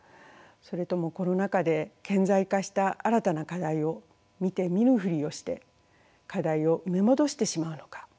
それともコロナ禍で顕在化した新たな課題を見て見ぬふりをして課題を埋め戻してしまうのか。